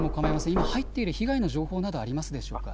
今入っている被害の情報などありますか。